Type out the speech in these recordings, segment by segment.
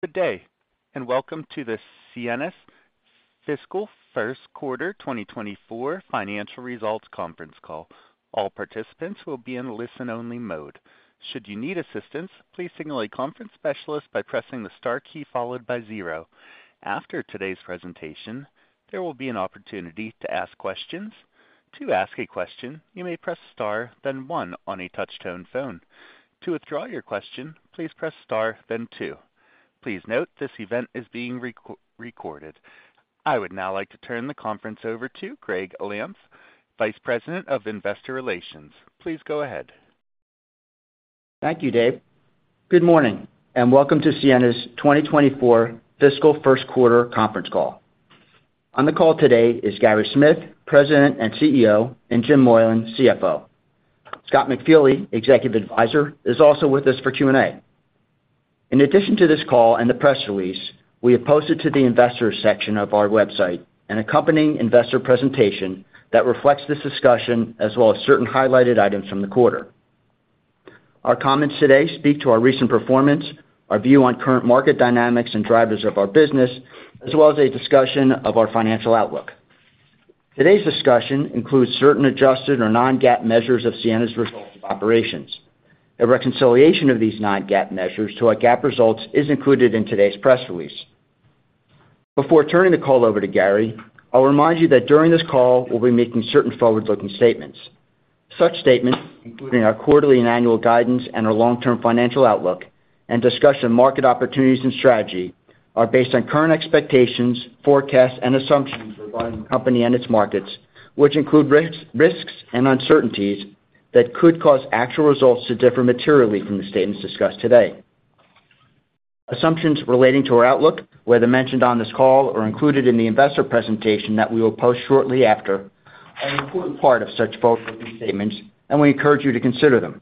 Good day and welcome to the Ciena's fiscal first quarter 2024 financial results conference call. All participants will be in listen-only mode. Should you need assistance, please signal a conference specialist by pressing the star key followed by zero. After today's presentation, there will be an opportunity to ask questions. To ask a question, you may press star then one on a touch-tone phone. To withdraw your question, please press star then two. Please note this event is being re, recorded. I would now like to turn the conference over to Gregg Lampf, Vice President of Investor Relations. Please go ahead. Thank you, Dave. Good morning and welcome to Ciena's 2024 fiscal first quarter conference call. On the call today is Gary Smith, President and CEO, and Jim Moylan, CFO. Scott McFeely, Executive Advisor, is also with us for Q&A. In addition to this call and the press release, we have posted to the Investors section of our website an accompanying investor presentation that reflects this discussion as well as certain highlighted items from the quarter. Our comments today speak to our recent performance, our view on current market dynamics and drivers of our business, as well as a discussion of our financial outlook. Today's discussion includes certain adjusted or non-GAAP measures of Ciena's results of operations. A reconciliation of these non-GAAP measures to our GAAP results is included in today's press release. Before turning the call over to Gary, I'll remind you that during this call we'll be making certain forward-looking statements. Such statements, including our quarterly and annual guidance and our long-term financial outlook and discussion of market opportunities and strategy, are based on current expectations, forecasts, and assumptions regarding the company and its markets, which include risks and uncertainties that could cause actual results to differ materially from the statements discussed today. Assumptions relating to our outlook, whether mentioned on this call or included in the investor presentation that we will post shortly after, are an important part of such forward-looking statements, and we encourage you to consider them.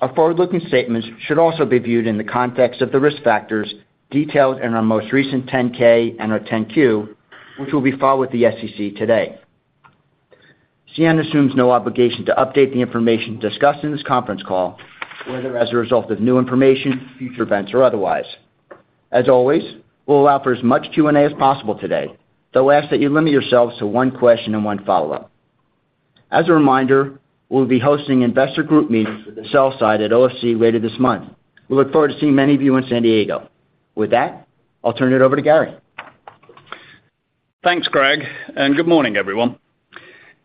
Our forward-looking statements should also be viewed in the context of the risk factors detailed in our most recent 10-K and our 10-Q, which will be filed with the SEC today. Ciena assumes no obligation to update the information discussed in this conference call, whether as a result of new information, future events, or otherwise. As always, we'll allow for as much Q&A as possible today, though ask that you limit yourselves to one question and one follow-up. As a reminder, we'll be hosting investor group meetings with the sell side at OFC later this month. We look forward to seeing many of you in San Diego. With that, I'll turn it over to Gary. Thanks, Gregg, and good morning, everyone.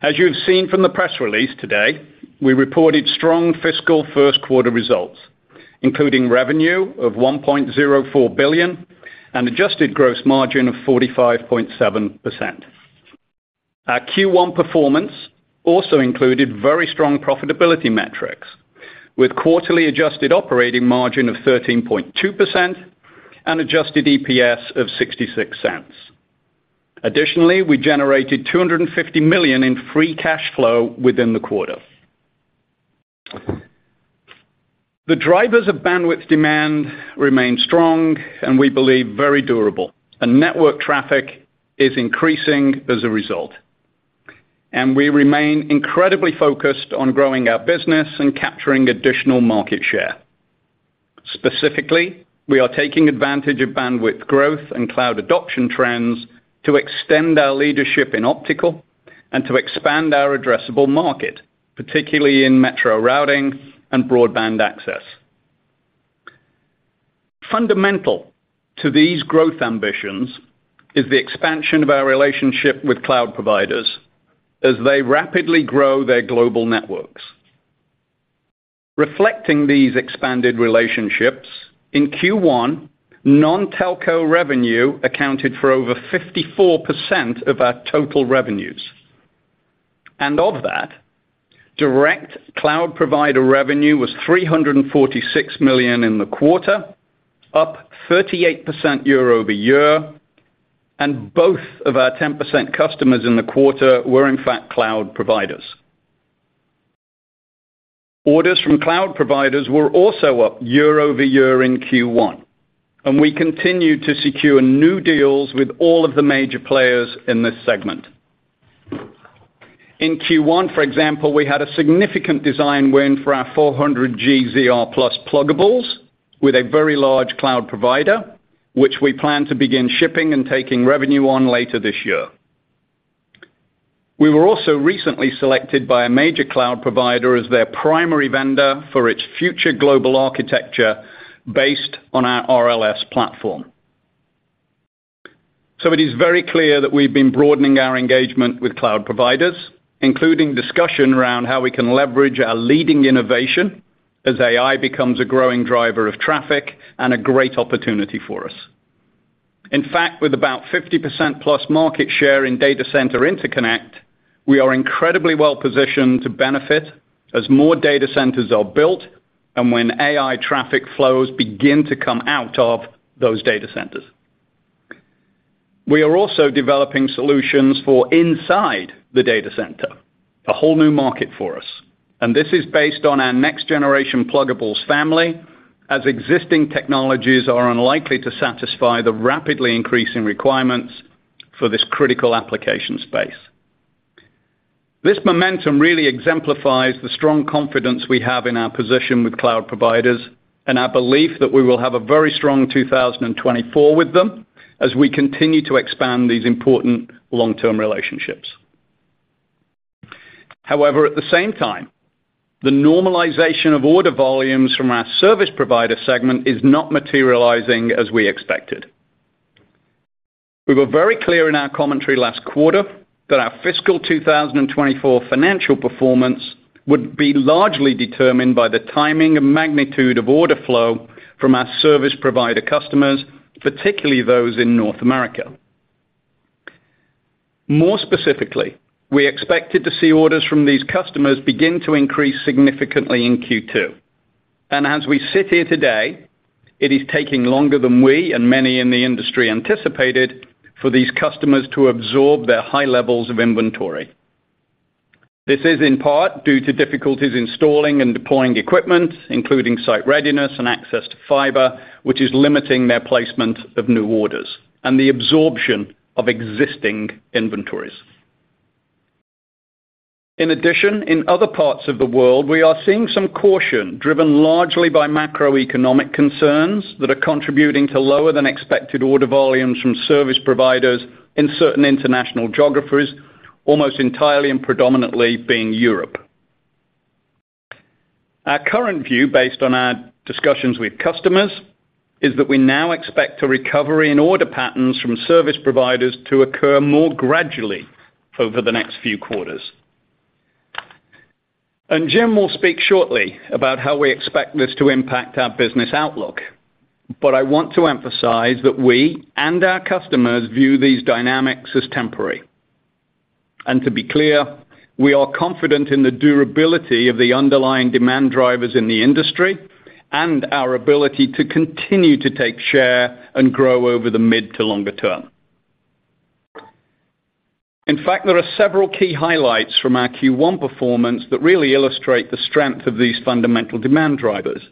As you've seen from the press release today, we reported strong fiscal first quarter results, including revenue of $1.04 billion and adjusted gross margin of 45.7%. Our Q1 performance also included very strong profitability metrics, with quarterly adjusted operating margin of 13.2% and adjusted EPS of $0.66. Additionally, we generated $250 million in free cash flow within the quarter. The drivers of bandwidth demand remain strong, and we believe very durable, and network traffic is increasing as a result. We remain incredibly focused on growing our business and capturing additional market share. Specifically, we are taking advantage of bandwidth growth and cloud adoption trends to extend our leadership in optical and to expand our addressable market, particularly in metro routing and broadband access. Fundamental to these growth ambitions is the expansion of our relationship with cloud providers as they rapidly grow their global networks. Reflecting these expanded relationships, in Q1, non-telco revenue accounted for over 54% of our total revenues. Of that, direct cloud provider revenue was $346 million in the quarter, up 38% year-over-year, and both of our 10% customers in the quarter were, in fact, cloud providers. Orders from cloud providers were also up year-over-year in Q1, and we continue to secure new deals with all of the major players in this segment. In Q1, for example, we had a significant design win for our 400ZR+ pluggables with a very large cloud provider, which we plan to begin shipping and taking revenue on later this year. We were also recently selected by a major cloud provider as their primary vendor for its future global architecture based on our RLS platform. So it is very clear that we've been broadening our engagement with cloud providers, including discussion around how we can leverage our leading innovation as AI becomes a growing driver of traffic and a great opportunity for us. In fact, with about 50%+ market share in data center interconnect, we are incredibly well-positioned to benefit as more data centers are built and when AI traffic flows begin to come out of those data centers. We are also developing solutions for inside the data center, a whole new market for us. This is based on our next-generation pluggables family as existing technologies are unlikely to satisfy the rapidly increasing requirements for this critical application space. This momentum really exemplifies the strong confidence we have in our position with cloud providers and our belief that we will have a very strong 2024 with them as we continue to expand these important long-term relationships. However, at the same time, the normalization of order volumes from our service provider segment is not materializing as we expected. We were very clear in our commentary last quarter that our fiscal 2024 financial performance would be largely determined by the timing and magnitude of order flow from our service provider customers, particularly those in North America. More specifically, we expected to see orders from these customers begin to increase significantly in Q2. As we sit here today, it is taking longer than we and many in the industry anticipated for these customers to absorb their high levels of inventory. This is in part due to difficulties installing and deploying equipment, including site readiness and access to fiber, which is limiting their placement of new orders and the absorption of existing inventories. In addition, in other parts of the world, we are seeing some caution driven largely by macroeconomic concerns that are contributing to lower than expected order volumes from service providers in certain international geographies, almost entirely and predominantly being Europe. Our current view, based on our discussions with customers, is that we now expect a recovery in order patterns from service providers to occur more gradually over the next few quarters. And Jim will speak shortly about how we expect this to impact our business outlook. But I want to emphasize that we and our customers view these dynamics as temporary. To be clear, we are confident in the durability of the underlying demand drivers in the industry and our ability to continue to take share and grow over the mid- to longer-term. In fact, there are several key highlights from our Q1 performance that really illustrate the strength of these fundamental demand drivers.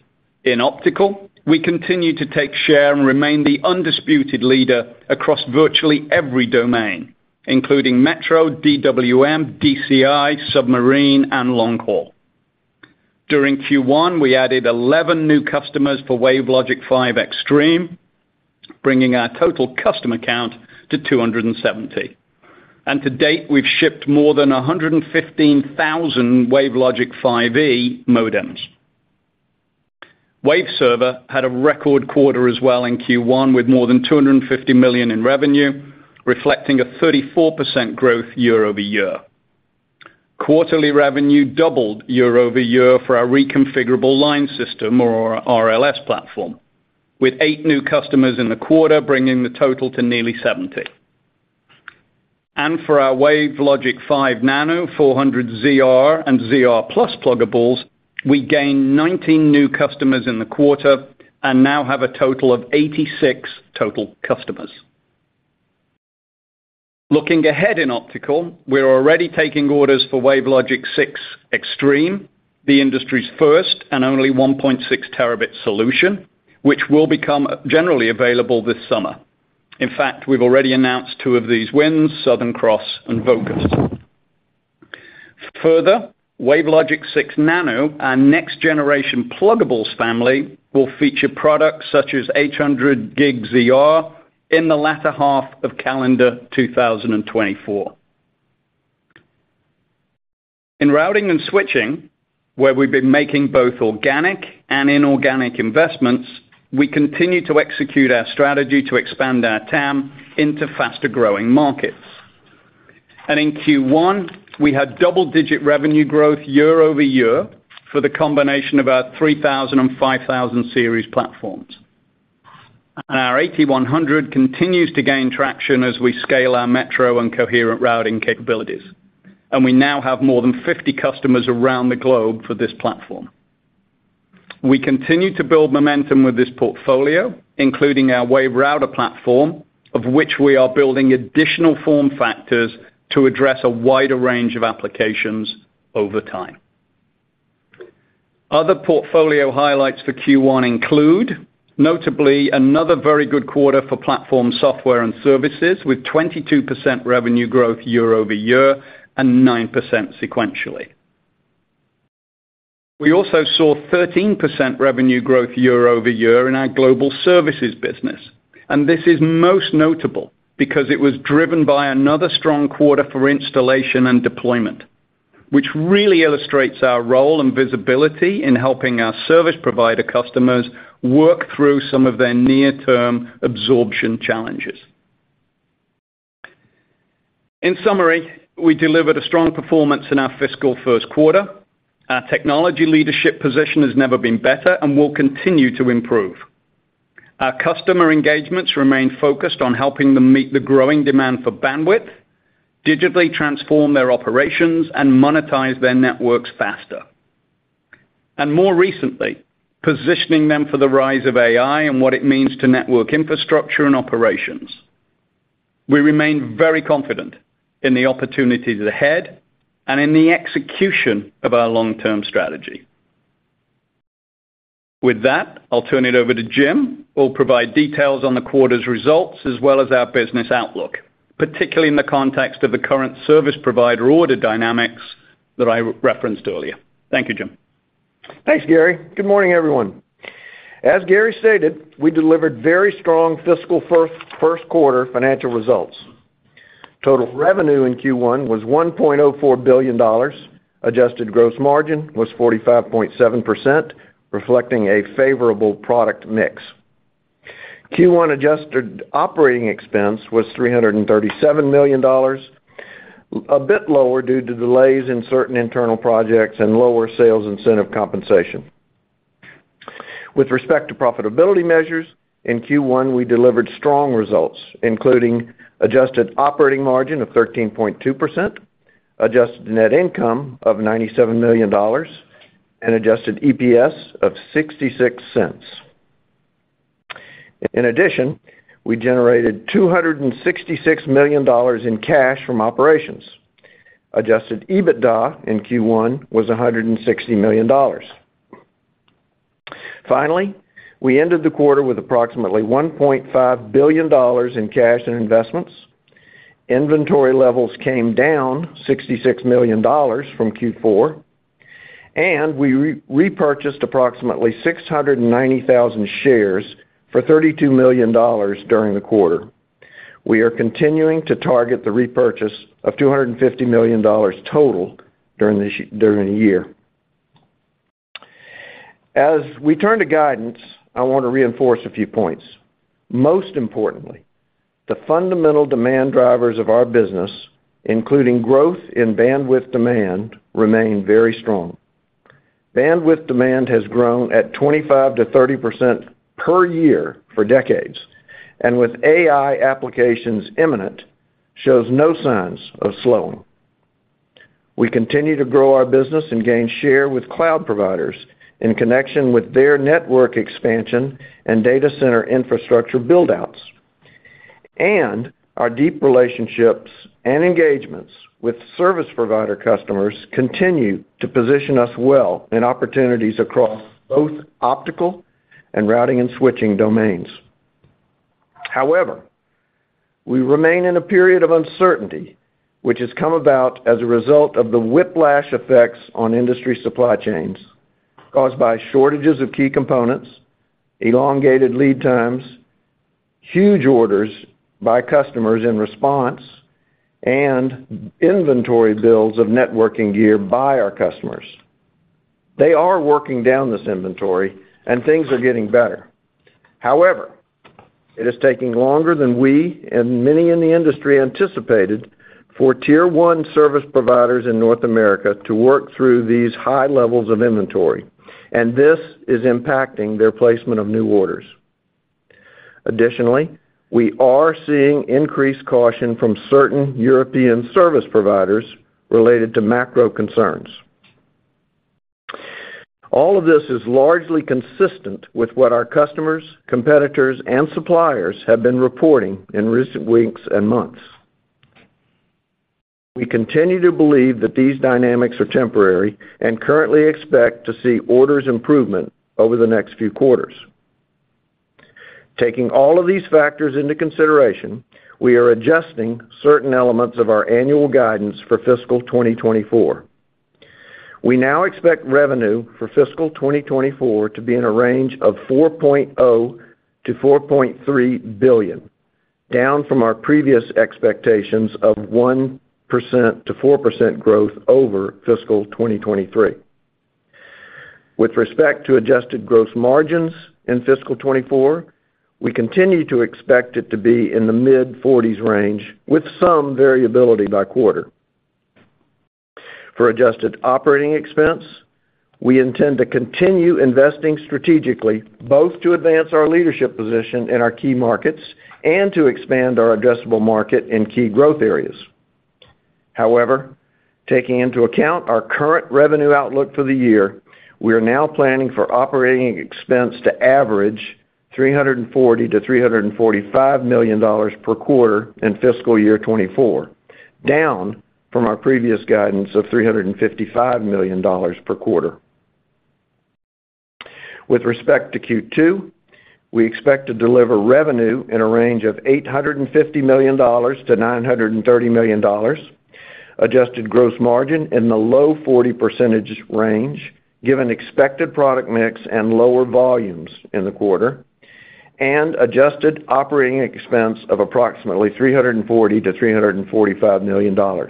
In optical, we continue to take share and remain the undisputed leader across virtually every domain, including metro, DWDM, DCI, submarine, and long haul. During Q1, we added 11 new customers for WaveLogic 5 Extreme, bringing our total customer count to 270. To date, we've shipped more than 115,000 WaveLogic 5E modems. Waveserver had a record quarter as well in Q1 with more than $250 million in revenue, reflecting a 34% growth year-over-year. Quarterly revenue doubled year-over-year for our reconfigurable line system or our RLS platform, with eight new customers in the quarter, bringing the total to nearly 70. For our WaveLogic 5 Nano, 400ZR, and 400ZR+ pluggables, we gained 19 new customers in the quarter and now have a total of 86 total customers. Looking ahead in optical, we're already taking orders for WaveLogic 6 Extreme, the industry's first and only 1.6-Tb solution, which will become generally available this summer. In fact, we've already announced two of these wins, Southern Cross and Vocus. Further, WaveLogic 6 Nano, our next-generation pluggables family, will feature products such as 800G ZR in the latter half of calendar 2024. In routing and switching, where we've been making both organic and inorganic investments, we continue to execute our strategy to expand our TAM into faster-growing markets. In Q1, we had double-digit revenue growth year-over-year for the combination of our 3,000 and 5,000 series platforms. Our AT100 continues to gain traction as we scale our metro and Coherent routing capabilities. We now have more than 50 customers around the globe for this platform. We continue to build momentum with this portfolio, including our WaveRouter platform, of which we are building additional form factors to address a wider range of applications over time. Other portfolio highlights for Q1 include, notably, another very good quarter for platform software and services with 22% revenue growth year-over-year and 9% sequentially. We also saw 13% revenue growth year-over-year in our global services business. This is most notable because it was driven by another strong quarter for installation and deployment, which really illustrates our role and visibility in helping our service provider customers work through some of their near-term absorption challenges. In summary, we delivered a strong performance in our fiscal first quarter. Our technology leadership position has never been better and will continue to improve. Our customer engagements remain focused on helping them meet the growing demand for bandwidth, digitally transform their operations, and monetize their networks faster. And more recently, positioning them for the rise of AI and what it means to network infrastructure and operations. We remain very confident in the opportunities ahead and in the execution of our long-term strategy. With that, I'll turn it over to Jim. He'll provide details on the quarter's results as well as our business outlook, particularly in the context of the current service provider order dynamics that I referenced earlier. Thank you, Jim. Thanks, Gary. Good morning, everyone. As Gary stated, we delivered very strong fiscal first quarter financial results. Total revenue in Q1 was $1.04 billion. Adjusted gross margin was 45.7%, reflecting a favorable product mix. Q1 adjusted operating expense was $337 million, a bit lower due to delays in certain internal projects and lower sales incentive compensation. With respect to profitability measures, in Q1, we delivered strong results, including adjusted operating margin of 13.2%, adjusted net income of $97 million, and adjusted EPS of $0.66. In addition, we generated $266 million in cash from operations. Adjusted EBITDA in Q1 was $160 million. Finally, we ended the quarter with approximately $1.5 billion in cash and investments. Inventory levels came down $66 million from Q4. We repurchased approximately 690,000 shares for $32 million during the quarter. We are continuing to target the repurchase of $250 million total during the year. As we turn to guidance, I want to reinforce a few points. Most importantly, the fundamental demand drivers of our business, including growth in bandwidth demand, remain very strong. Bandwidth demand has grown at 25%-30% per year for decades. With AI applications imminent, shows no signs of slowing. We continue to grow our business and gain share with cloud providers in connection with their network expansion and data center infrastructure buildouts. Our deep relationships and engagements with service provider customers continue to position us well in opportunities across both optical and routing and switching domains. However, we remain in a period of uncertainty, which has come about as a result of the whiplash effects on industry supply chains caused by shortages of key components, elongated lead times, huge orders by customers in response, and inventory builds of networking gear by our customers. They are working down this inventory, and things are getting better. However, it is taking longer than we and many in the industry anticipated for tier one service providers in North America to work through these high levels of inventory. This is impacting their placement of new orders. Additionally, we are seeing increased caution from certain European service providers related to macro concerns. All of this is largely consistent with what our customers, competitors, and suppliers have been reporting in recent weeks and months. We continue to believe that these dynamics are temporary and currently expect to see orders improvement over the next few quarters. Taking all of these factors into consideration, we are adjusting certain elements of our annual guidance for fiscal 2024. We now expect revenue for fiscal 2024 to be in a range of $4.0 billion-$4.3 billion, down from our previous expectations of 1%-4% growth over fiscal 2023. With respect to adjusted gross margins in fiscal 2024, we continue to expect it to be in the mid-40s range with some variability by quarter. For adjusted operating expense, we intend to continue investing strategically both to advance our leadership position in our key markets and to expand our addressable market in key growth areas. However, taking into account our current revenue outlook for the year, we are now planning for operating expense to average $340 million-$345 million per quarter in fiscal year 2024, down from our previous guidance of $355 million per quarter. With respect to Q2, we expect to deliver revenue in a range of $850 million-$930 million, adjusted gross margin in the low 40% range given expected product mix and lower volumes in the quarter, and adjusted operating expense of approximately $340-$345 million.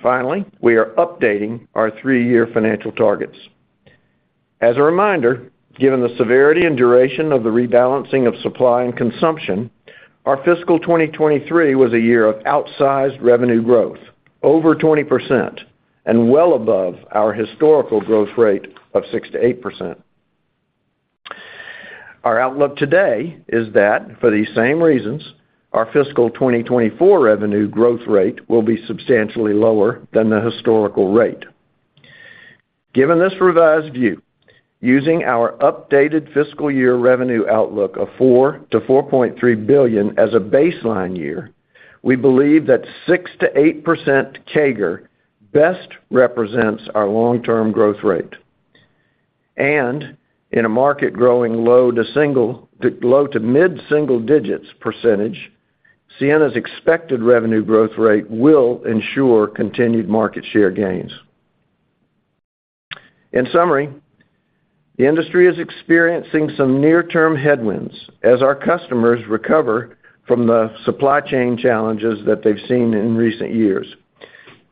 Finally, we are updating our three-year financial targets. As a reminder, given the severity and duration of the rebalancing of supply and consumption, our fiscal 2023 was a year of outsized revenue growth over 20% and well above our historical growth rate of 6%-8%. Our outlook today is that, for these same reasons, our fiscal 2024 revenue growth rate will be substantially lower than the historical rate. Given this revised view, using our updated fiscal year revenue outlook of $4 billion-$4.3 billion as a baseline year, we believe that 6%-8% CAGR best represents our long-term growth rate. In a market growing low- to mid-single digits%, Ciena's expected revenue growth rate will ensure continued market share gains. In summary, the industry is experiencing some near-term headwinds as our customers recover from the supply chain challenges that they've seen in recent years.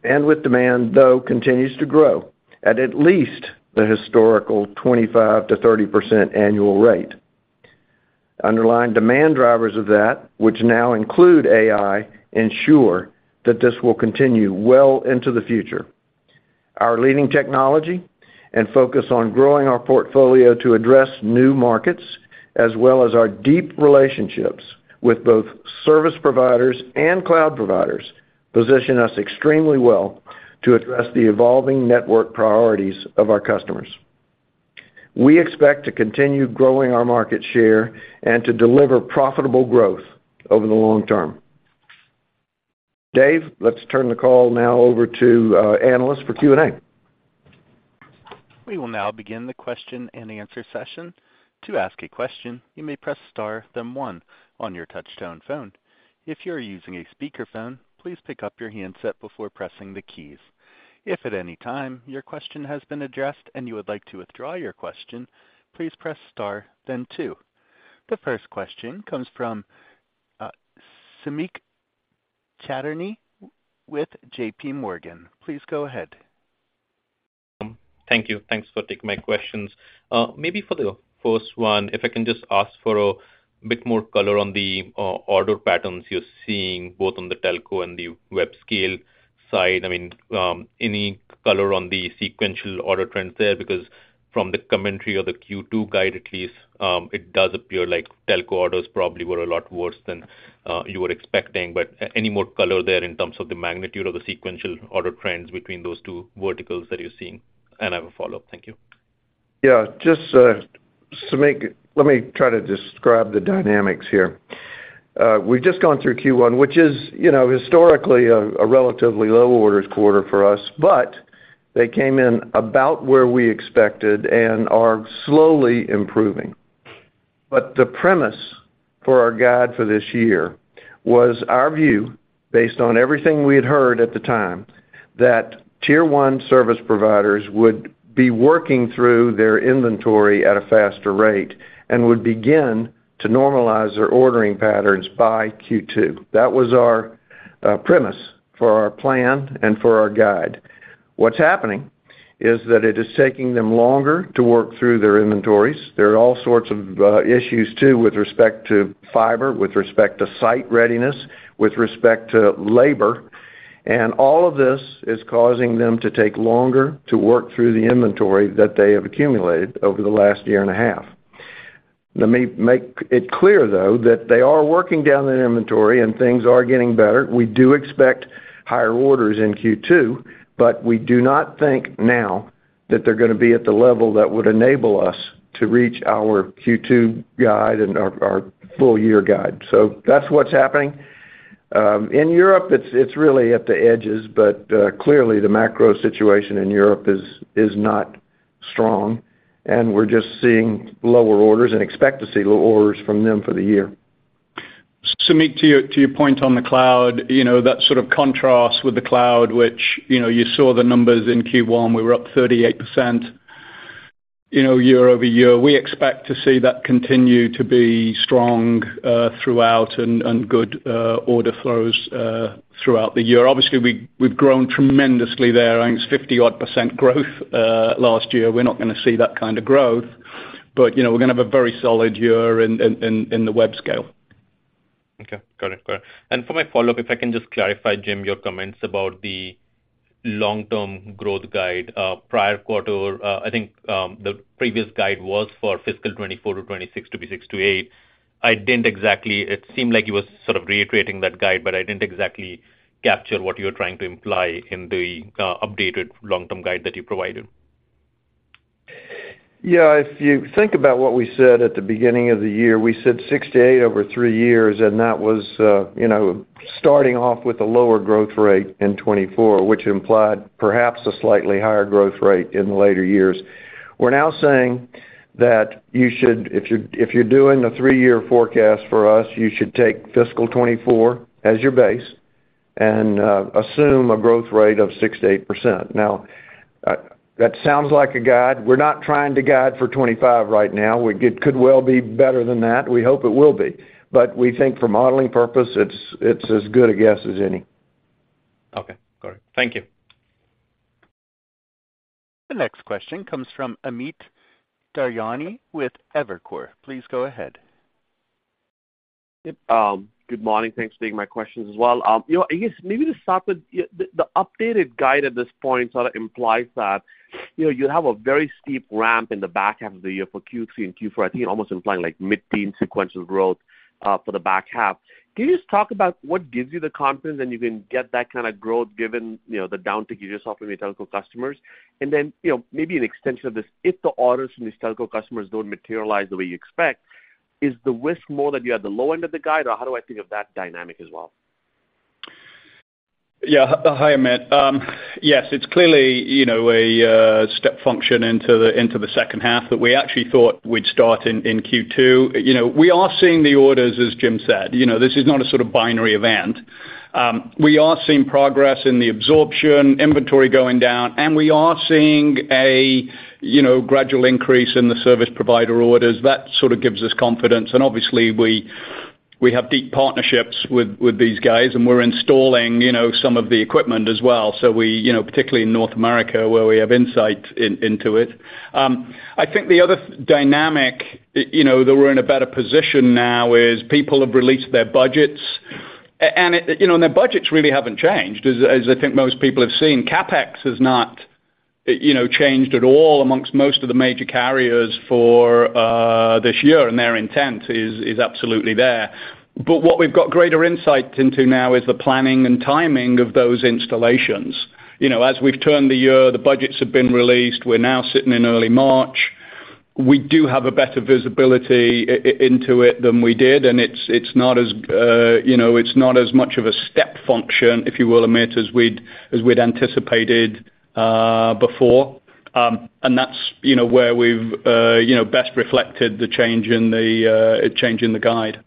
And with demand, though, continues to grow at least the historical 25%-30% annual rate. Underlying demand drivers of that, which now include AI, ensure that this will continue well into the future. Our leading technology and focus on growing our portfolio to address new markets as well as our deep relationships with both service providers and cloud providers position us extremely well to address the evolving network priorities of our customers. We expect to continue growing our market share and to deliver profitable growth over the long term. Dave, let's turn the call now over to analysts for Q&A. We will now begin the question and answer session. To ask a question, you may press star, then one, on your touch-tone phone. If you are using a speakerphone, please pick up your handset before pressing the keys. If at any time your question has been addressed and you would like to withdraw your question, please press star, then two. The first question comes from Samik Chatterjee with JPMorgan. Please go ahead. Thank you. Thanks for taking my questions. Maybe for the first one, if I can just ask for a bit more color on the order patterns you're seeing both on the telco and the Webscale side. I mean, any color on the sequential order trends there? Because from the commentary of the Q2 guide, at least, it does appear like telco orders probably were a lot worse than you were expecting. But any more color there in terms of the magnitude of the sequential order trends between those two verticals that you're seeing? And I have a follow-up. Thank you. Yeah. Let me try to describe the dynamics here. We've just gone through Q1, which is historically a relatively low orders quarter for us. But they came in about where we expected and are slowly improving. But the premise for our guide for this year was our view, based on everything we had heard at the time, that tier one service providers would be working through their inventory at a faster rate and would begin to normalize their ordering patterns by Q2. That was our premise for our plan and for our guide. What's happening is that it is taking them longer to work through their inventories. There are all sorts of issues, too, with respect to fiber, with respect to site readiness, with respect to labor. All of this is causing them to take longer to work through the inventory that they have accumulated over the last year and a half. Let me make it clear, though, that they are working down their inventory and things are getting better. We do expect higher orders in Q2. But we do not think now that they're going to be at the level that would enable us to reach our Q2 guide and our full year guide. That's what's happening. In Europe, it's really at the edges. But clearly, the macro situation in Europe is not strong. We're just seeing lower orders and expect to see lower orders from them for the year. Samik, to your point on the cloud, that sort of contrast with the cloud, which you saw the numbers in Q1, we were up 38% year-over-year. We expect to see that continue to be strong throughout and good order flows throughout the year. Obviously, we've grown tremendously there. I think it's 50-odd percent growth last year. We're not going to see that kind of growth. But we're going to have a very solid year in the Web Scale. Okay. Got it. Got it. And for my follow-up, if I can just clarify, Jim, your comments about the long-term growth guide. Prior quarter, I think the previous guide was for fiscal 2024 to 2026 to be 6%-8%. It seemed like you were sort of reiterating that guide. But I didn't exactly capture what you were trying to imply in the updated long-term guide that you provided. Yeah. If you think about what we said at the beginning of the year, we said 6%-8% over three years. That was starting off with a lower growth rate in 2024, which implied perhaps a slightly higher growth rate in the later years. We're now saying that if you're doing a three-year forecast for us, you should take fiscal 2024 as your base and assume a growth rate of 6%-8%. Now, that sounds like a guide. We're not trying to guide for 2025 right now. It could well be better than that. We hope it will be. We think for modeling purposes, it's as good a guess as any. Okay. Got it. Thank you. The next question comes from Amit Daryanani with Evercore. Please go ahead. Good morning. Thanks for taking my questions as well. I guess maybe to start with, the updated guide at this point sort of implies that you have a very steep ramp in the back half of the year for Q3 and Q4. I think it's almost implying mid-teens sequential growth for the back half. Can you just talk about what gives you the confidence that you can get that kind of growth given the downtake you just offered with your telco customers? And then maybe an extension of this, if the orders from these telco customers don't materialize the way you expect, is the risk more that you have the low end of the guide, or how do I think of that dynamic as well? Yeah. Hi, Amit. Yes. It's clearly a step function into the second half that we actually thought we'd start in Q2. We are seeing the orders, as Jim said. This is not a sort of binary event. We are seeing progress in the absorption, inventory going down. And we are seeing a gradual increase in the service provider orders. That sort of gives us confidence. And obviously, we have deep partnerships with these guys. And we're installing some of the equipment as well. So particularly in North America, where we have insight into it. I think the other dynamic that we're in a better position now is people have released their budgets. And their budgets really haven't changed, as I think most people have seen. CapEx has not changed at all amongst most of the major carriers for this year. And their intent is absolutely there. But what we've got greater insight into now is the planning and timing of those installations. As we've turned the year, the budgets have been released. We're now sitting in early March. We do have a better visibility into it than we did. And it's not as much of a step function, if you will, Amit, as we'd anticipated before. And that's where we've best reflected the change in the guide.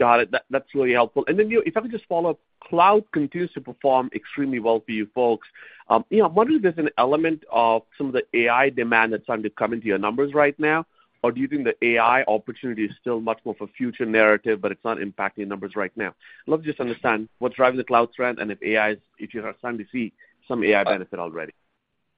Got it. That's really helpful. Then if I could just follow up, cloud continues to perform extremely well for you folks. I'm wondering if there's an element of some of the AI demand that's starting to come into your numbers right now, or do you think the AI opportunity is still much more for future narrative, but it's not impacting numbers right now? I'd love to just understand what's driving the cloud trend and if you're starting to see some AI benefit already.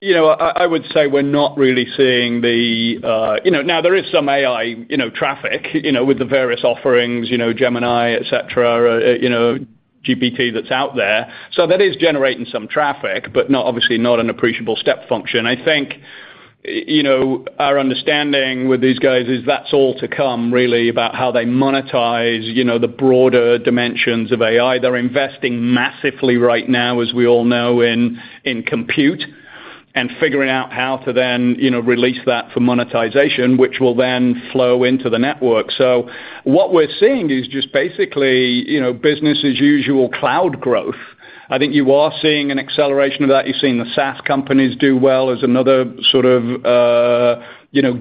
I would say we're not really seeing it now, there is some AI traffic with the various offerings, Gemini, etc., GPT that's out there. So that is generating some traffic, but obviously not an appreciable step function. I think our understanding with these guys is that's all to come, really, about how they monetize the broader dimensions of AI. They're investing massively right now, as we all know, in compute and figuring out how to then release that for monetization, which will then flow into the network. So what we're seeing is just basically business-as-usual cloud growth. I think you are seeing an acceleration of that. You've seen the SaaS companies do well as another sort of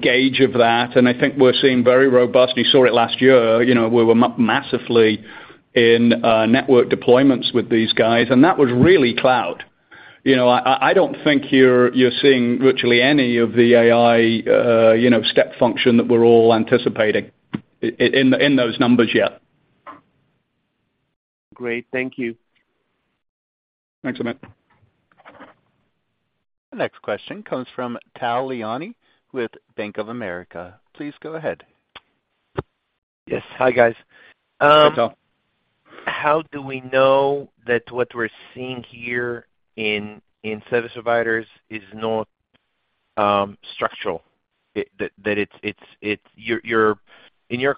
gauge of that. And I think we're seeing very robust and you saw it last year. We were massively in network deployments with these guys. And that was really cloud. I don't think you're seeing virtually any of the AI step function that we're all anticipating in those numbers yet. Great. Thank you. Thanks, Amit. The next question comes from Tal Liani with Bank of America. Please go ahead. Yes. Hi, guys. Hey, Tal. How do we know that what we're seeing here in service providers is not structural? In your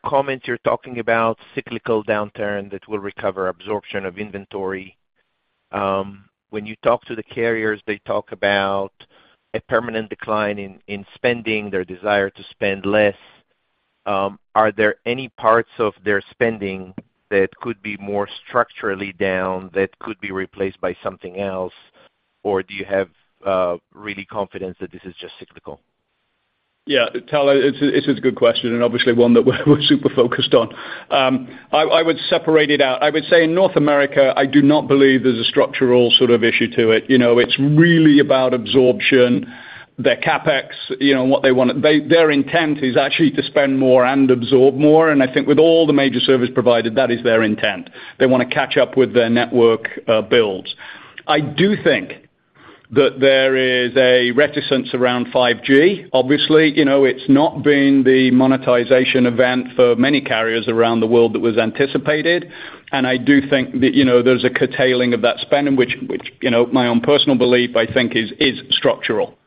comments, you're talking about cyclical downturn that will recover, absorption of inventory. When you talk to the carriers, they talk about a permanent decline in spending, their desire to spend less. Are there any parts of their spending that could be more structurally down that could be replaced by something else? Or do you have really confidence that this is just cyclical? Yeah. Tal, it's a good question and obviously one that we're super focused on. I would separate it out. I would say in North America, I do not believe there's a structural sort of issue to it. It's really about absorption. They're CapEx and what they want to their intent is actually to spend more and absorb more. And I think with all the major service providers, that is their intent. They want to catch up with their network builds. I do think that there is a reticence around 5G. Obviously, it's not been the monetization event for many carriers around the world that was anticipated. And I do think that there's a curtailing of that spending, which, my own personal belief, I think is structural.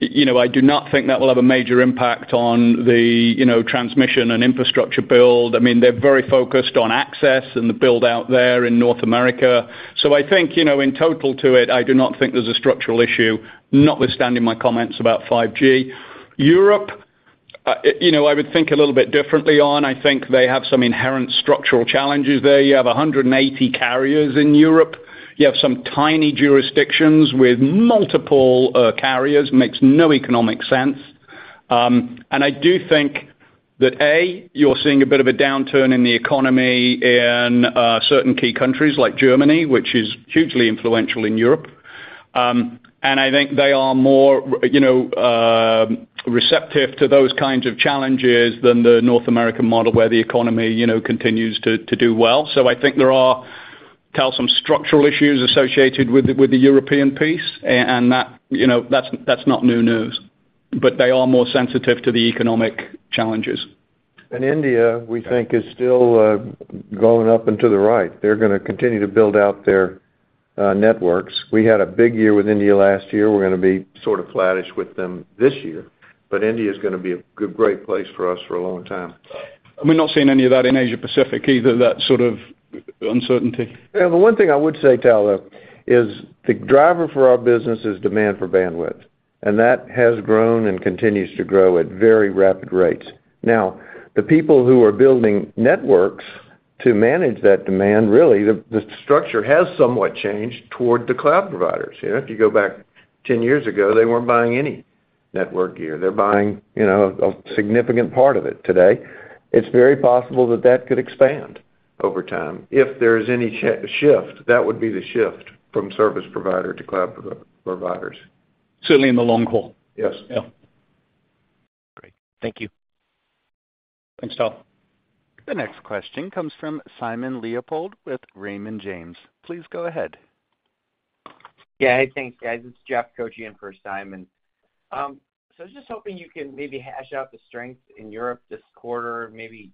I do not think that will have a major impact on the transmission and infrastructure build. I mean, they're very focused on access and the build-out there in North America. So I think in total to it, I do not think there's a structural issue, notwithstanding my comments about 5G. Europe, I would think a little bit differently on. I think they have some inherent structural challenges there. You have 180 carriers in Europe. You have some tiny jurisdictions with multiple carriers. Makes no economic sense. And I do think that, A, you're seeing a bit of a downturn in the economy in certain key countries like Germany, which is hugely influential in Europe. And I think they are more receptive to those kinds of challenges than the North American model, where the economy continues to do well. So I think there are, Tal, some structural issues associated with the European piece. And that's not new news. But they are more sensitive to the economic challenges. India, we think, is still going up and to the right. They're going to continue to build out their networks. We had a big year with India last year. We're going to be sort of flattish with them this year. But India is going to be a great place for us for a long time. We're not seeing any of that in Asia-Pacific either, that sort of uncertainty. Yeah. The one thing I would say, Tal, though, is the driver for our business is demand for bandwidth. And that has grown and continues to grow at very rapid rates. Now, the people who are building networks to manage that demand, really, the structure has somewhat changed toward the cloud providers. If you go back 10 years ago, they weren't buying any network gear. They're buying a significant part of it today. It's very possible that that could expand over time. If there is any shift, that would be the shift from service provider to cloud providers. Certainly in the long haul. Yes. Yeah. Great. Thank you. Thanks, Tal. The next question comes from Simon Leopold with Raymond James. Please go ahead. Yeah. Hey, thanks, guys. It's Jeff Koche for Simon. So just hoping you can maybe hash out the strengths in Europe this quarter, maybe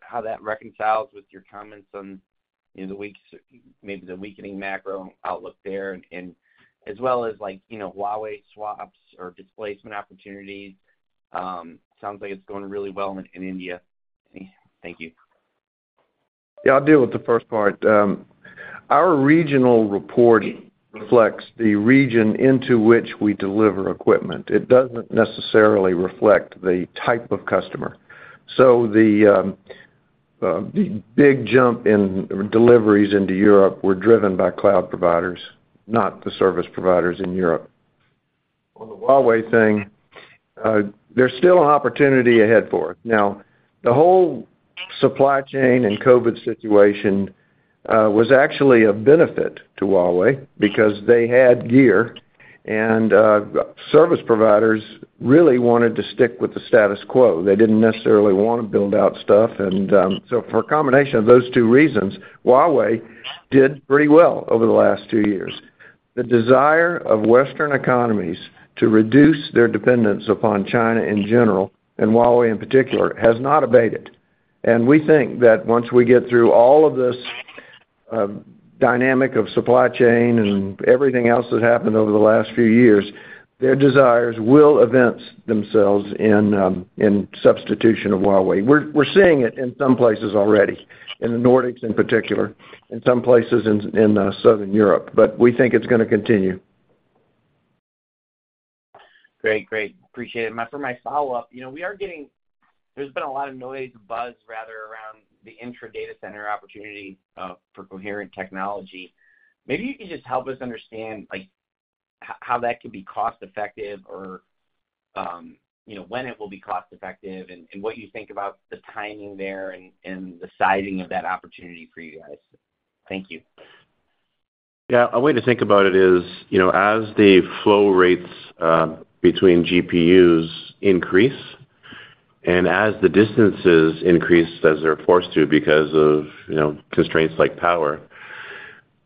how that reconciles with your comments on maybe the weakening macro outlook there, as well as Huawei swaps or displacement opportunities. Sounds like it's going really well in India. Thank you. Yeah. I'll deal with the first part. Our regional report reflects the region into which we deliver equipment. It doesn't necessarily reflect the type of customer. So the big jump in deliveries into Europe were driven by cloud providers, not the service providers in Europe. On the Huawei thing, there's still an opportunity ahead for us. Now, the whole supply chain and COVID situation was actually a benefit to Huawei because they had gear. And service providers really wanted to stick with the status quo. They didn't necessarily want to build out stuff. And so for a combination of those two reasons, Huawei did pretty well over the last two years. The desire of Western economies to reduce their dependence upon China in general and Huawei in particular has not abated. We think that once we get through all of this dynamic of supply chain and everything else that's happened over the last few years, their desires will eventuate in substitution of Huawei. We're seeing it in some places already, in the Nordics in particular, in some places in Southern Europe. We think it's going to continue. Great. Great. Appreciate it. For my follow-up, we are getting there's been a lot of noise and buzz rather around the intra-data center opportunity for coherent technology. Maybe you could just help us understand how that could be cost-effective or when it will be cost-effective and what you think about the timing there and the sizing of that opportunity for you guys. Thank you. Yeah. A way to think about it is as the flow rates between GPUs increase and as the distances increase as they're forced to because of constraints like power,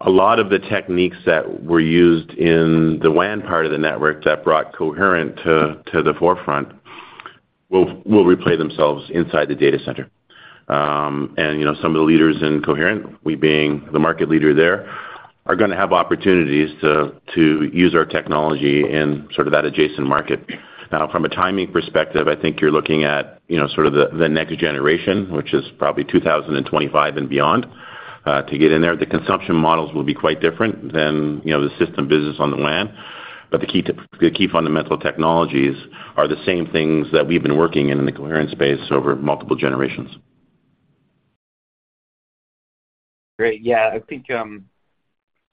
a lot of the techniques that were used in the WAN part of the network that brought coherent to the forefront will replay themselves inside the data center. And some of the leaders in coherent, we being the market leader there, are going to have opportunities to use our technology in sort of that adjacent market. Now, from a timing perspective, I think you're looking at sort of the next generation, which is probably 2025 and beyond, to get in there. The consumption models will be quite different than the system business on the WAN. But the key fundamental technologies are the same things that we've been working in in the coherent space over multiple generations. Great. Yeah. I think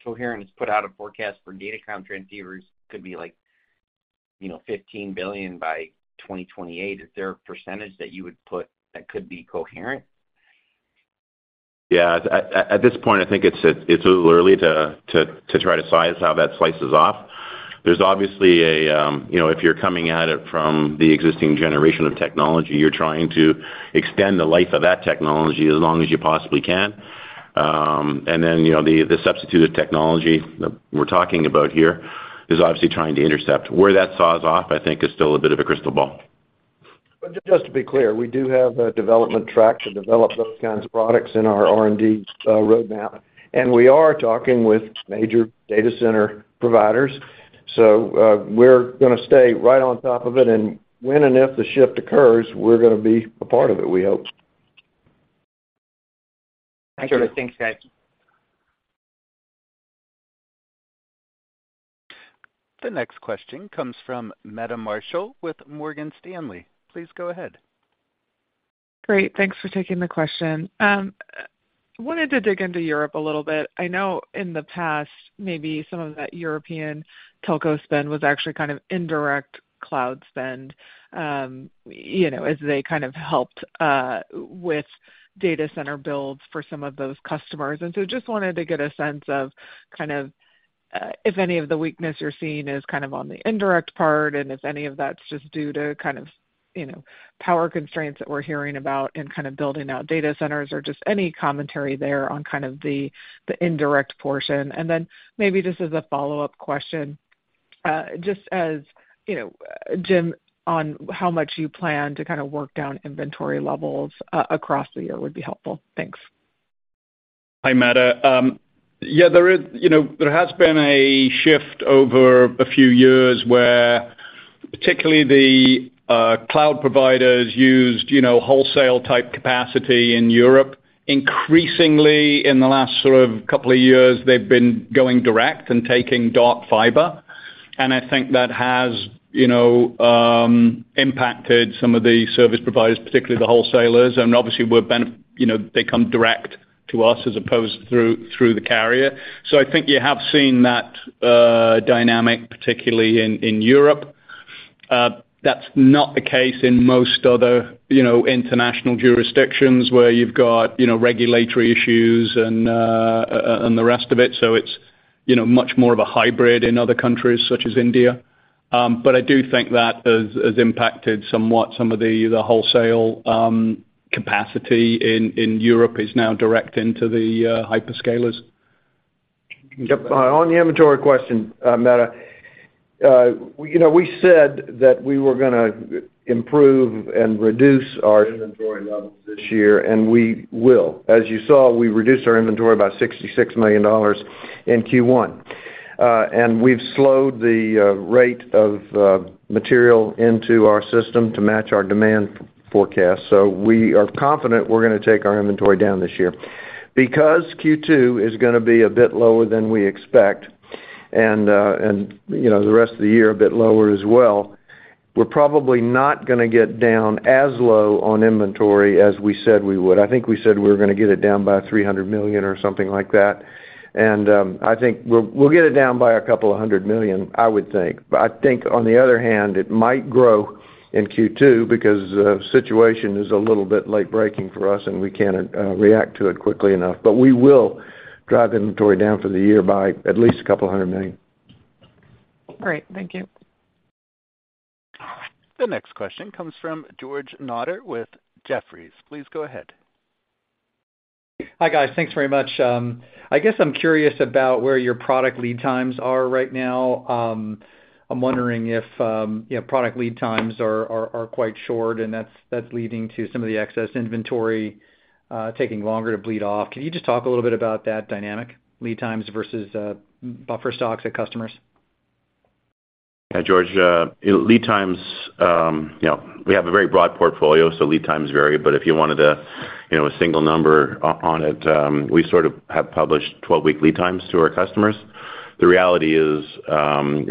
coherent has put out a forecast for data center transceivers could be like $15 billion by 2028. Is there a percentage that you would put that could be coherent? Yeah. At this point, I think it's a little early to try to size how that slices off. There's obviously, if you're coming at it from the existing generation of technology, you're trying to extend the life of that technology as long as you possibly can. And then the substitutive technology that we're talking about here is obviously trying to intercept. Where that saws off, I think, is still a bit of a crystal ball. But just to be clear, we do have a development track to develop those kinds of products in our R&D roadmap. And we are talking with major data center providers. So we're going to stay right on top of it. And when and if the shift occurs, we're going to be a part of it, we hope. Sure. Thanks, guys. The next question comes from Meta Marshall with Morgan Stanley. Please go ahead. Great. Thanks for taking the question. I wanted to dig into Europe a little bit. I know in the past, maybe some of that European telco spend was actually kind of indirect cloud spend as they kind of helped with data center builds for some of those customers. And so just wanted to get a sense of kind of if any of the weakness you're seeing is kind of on the indirect part and if any of that's just due to kind of power constraints that we're hearing about in kind of building out data centers or just any commentary there on kind of the indirect portion. And then maybe just as a follow-up question, just ask Jim, on how much you plan to kind of work down inventory levels across the year would be helpful. Thanks. Hi, Meta. Yeah. There has been a shift over a few years where particularly the cloud providers used wholesale-type capacity in Europe. Increasingly, in the last sort of couple of years, they've been going direct and taking dark fiber. And I think that has impacted some of the service providers, particularly the wholesalers. And obviously, they come direct to us as opposed through the carrier. So I think you have seen that dynamic, particularly in Europe. That's not the case in most other international jurisdictions where you've got regulatory issues and the rest of it. So it's much more of a hybrid in other countries such as India. But I do think that has impacted somewhat. Some of the wholesale capacity in Europe is now direct into the hyperscalers. Yep. On the inventory question, Meta, we said that we were going to improve and reduce our inventory levels this year. We will. As you saw, we reduced our inventory by $66 million in Q1. We've slowed the rate of material into our system to match our demand forecast. So we are confident we're going to take our inventory down this year. Because Q2 is going to be a bit lower than we expect and the rest of the year a bit lower as well, we're probably not going to get down as low on inventory as we said we would. I think we said we were going to get it down by $300 million or something like that. I think we'll get it down by a couple of $100 million, I would think. But I think, on the other hand, it might grow in Q2 because the situation is a little bit late-breaking for us, and we can't react to it quickly enough. But we will drive inventory down for the year by at least a couple of $100 million. Great. Thank you. The next question comes from George Notter with Jefferies. Please go ahead. Hi, guys. Thanks very much. I guess I'm curious about where your product lead times are right now. I'm wondering if product lead times are quite short, and that's leading to some of the excess inventory taking longer to bleed off. Can you just talk a little bit about that dynamic, lead times versus buffer stocks at customers? Yeah, George. Lead times, we have a very broad portfolio, so lead times vary. But if you wanted a single number on it, we sort of have published 12-week lead times to our customers. The reality is,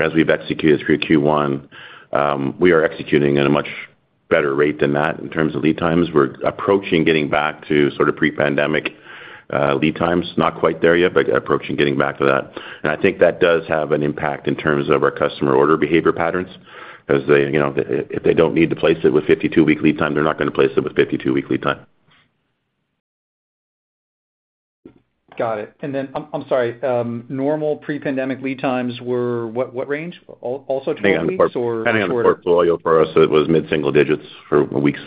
as we've executed through Q1, we are executing at a much better rate than that in terms of lead times. We're approaching getting back to sort of pre-pandemic lead times, not quite there yet, but approaching getting back to that. And I think that does have an impact in terms of our customer order behavior patterns because if they don't need to place it with 52-week lead time, they're not going to place it with 52-week lead time. Got it. And then I'm sorry. Normal pre-pandemic lead times were what range? Also 12 weeks or shorter? Depending on the portfolio for us, it was mid-single digits for weeks.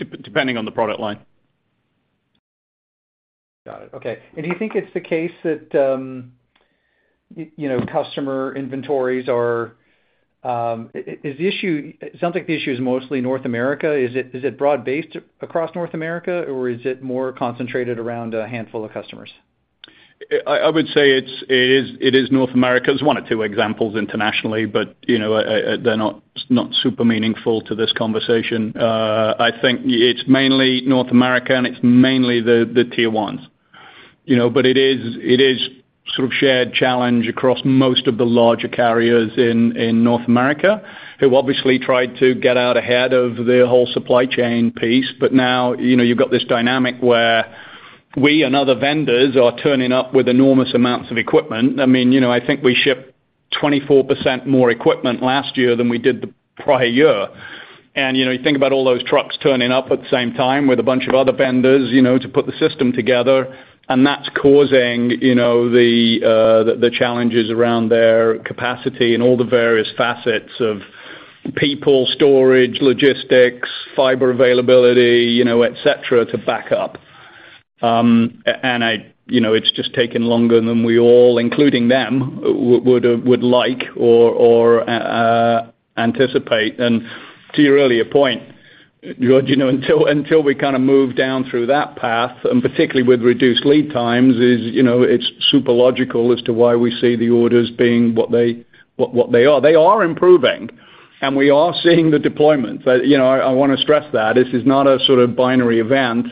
Depending on the product line. Got it. Okay. And do you think it's the case that customer inventories are the issue? It sounds like the issue is mostly North America. Is it broad-based across North America, or is it more concentrated around a handful of customers? I would say it is North America. There's one or two examples internationally, but they're not super meaningful to this conversation. I think it's mainly North America, and it's mainly the tier ones. But it is sort of shared challenge across most of the larger carriers in North America who obviously tried to get out ahead of the whole supply chain piece. But now you've got this dynamic where we and other vendors are turning up with enormous amounts of equipment. I mean, I think we shipped 24% more equipment last year than we did the prior year. And you think about all those trucks turning up at the same time with a bunch of other vendors to put the system together. And that's causing the challenges around their capacity in all the various facets of people, storage, logistics, fiber availability, etc., to back up. And it's just taken longer than we all, including them, would like or anticipate. And to your earlier point, George, until we kind of move down through that path, and particularly with reduced lead times, it's super logical as to why we see the orders being what they are. They are improving, and we are seeing the deployments. I want to stress that. This is not a sort of binary event.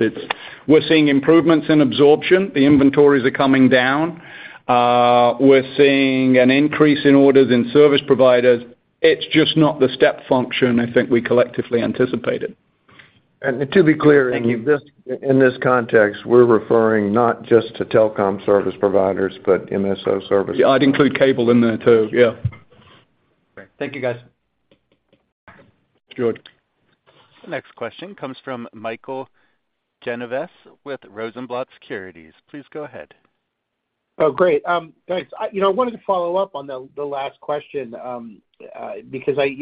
We're seeing improvements in absorption. The inventories are coming down. We're seeing an increase in orders in service providers. It's just not the step function I think we collectively anticipated. To be clear, in this context, we're referring not just to telecom service providers but MSO services. Yeah. I'd include cable in there too. Yeah. Thank you, guys. George. The next question comes from Michael Genovese with Rosenblatt Securities. Please go ahead. Oh, great. Thanks. I wanted to follow up on the last question because I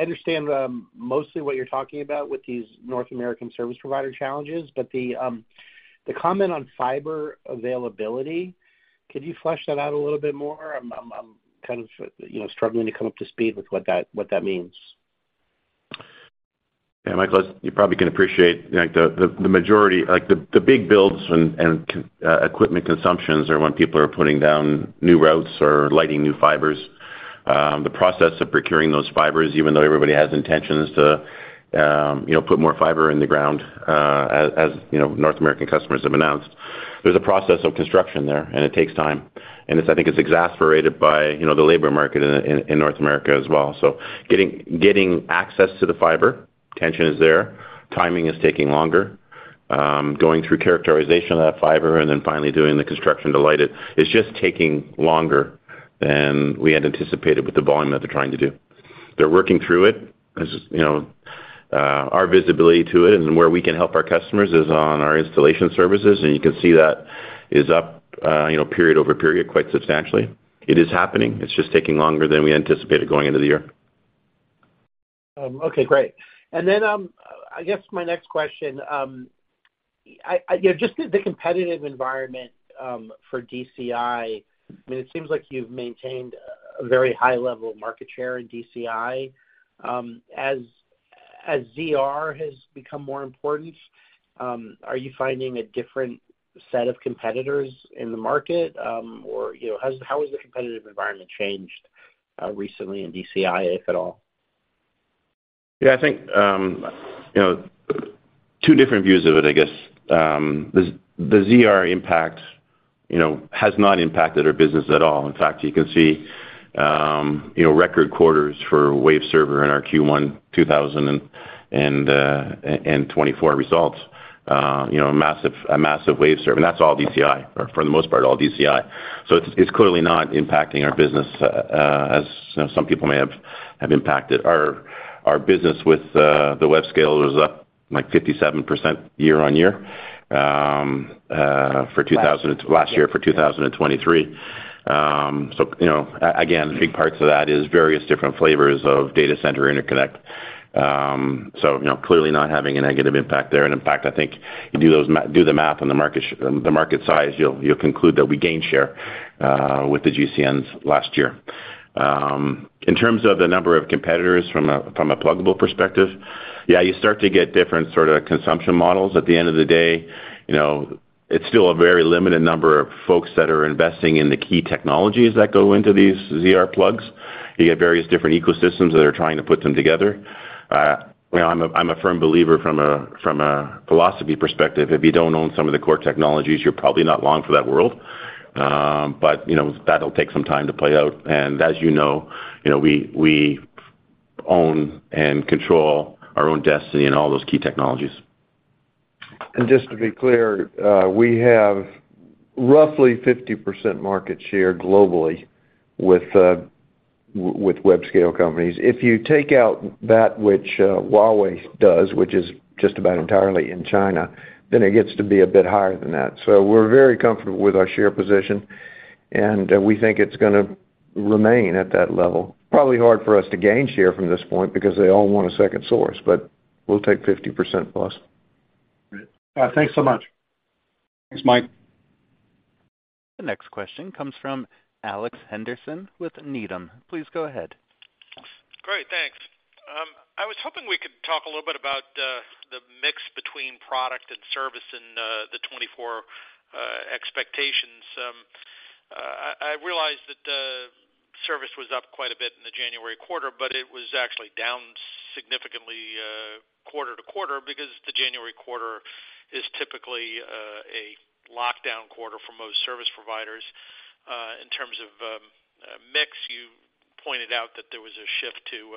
understand mostly what you're talking about with these North American service provider challenges. But the comment on fiber availability, could you flesh that out a little bit more? I'm kind of struggling to come up to speed with what that means. Yeah, Michael, you probably can appreciate the majority the big builds and equipment consumptions are when people are putting down new routes or lighting new fibers. The process of procuring those fibers, even though everybody has intentions to put more fiber in the ground, as North American customers have announced, there's a process of construction there, and it takes time. I think it's exacerbated by the labor market in North America as well. So getting access to the fiber, tension is there. Timing is taking longer. Going through characterization of that fiber and then finally doing the construction to light it is just taking longer than we had anticipated with the volume that they're trying to do. They're working through it. Our visibility to it and where we can help our customers is on our installation services. You can see that is up period over period quite substantially. It is happening. It's just taking longer than we anticipated going into the year. Okay. Great. And then I guess my next question, just the competitive environment for DCI. I mean, it seems like you've maintained a very high level of market share in DCI. As ZR has become more important, are you finding a different set of competitors in the market, or how has the competitive environment changed recently in DCI, if at all? Yeah. I think two different views of it, I guess. The ZR impact has not impacted our business at all. In fact, you can see record quarters for Waveserver in our Q1 2024 results, a massive Waveserver. And that's all DCI, for the most part, all DCI. So it's clearly not impacting our business as some people may have impacted. Our business with the Web Scale was up like 57% year-on-year for last year for 2023. So again, big parts of that is various different flavors of data center interconnect. So clearly not having a negative impact there. And in fact, I think you do the math on the market size, you'll conclude that we gained share with the GCNs last year. In terms of the number of competitors from a pluggable perspective, yeah, you start to get different sort of consumption models. At the end of the day, it's still a very limited number of folks that are investing in the key technologies that go into these ZR plugs. You get various different ecosystems that are trying to put them together. I'm a firm believer from a philosophy perspective, if you don't own some of the core technologies, you're probably not long for that world. But that'll take some time to play out. And as you know, we own and control our own destiny in all those key technologies. Just to be clear, we have roughly 50% market share globally with web-scale companies. If you take out that which Huawei does, which is just about entirely in China, then it gets to be a bit higher than that. So we're very comfortable with our share position, and we think it's going to remain at that level. Probably hard for us to gain share from this point because they all want a second source, but we'll take 50%+. Great. Thanks so much. Thanks, Mike. The next question comes from Alex Henderson with Needham. Please go ahead. Great. Thanks. I was hoping we could talk a little bit about the mix between product and service and the 2024 expectations. I realized that service was up quite a bit in the January quarter, but it was actually down significantly quarter to quarter because the January quarter is typically a lockdown quarter for most service providers. In terms of mix, you pointed out that there was a shift to